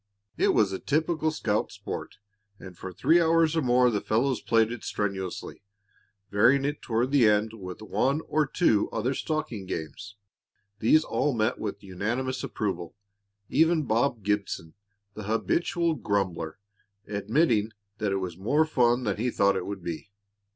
It was a typical scout sport, and for three hours or more the fellows played it strenuously, varying it toward the end with one or two other stalking games. These all met with unanimous approval, even Bob Gibson, the habitual grumbler, admitting that it was more fun than he thought it would be.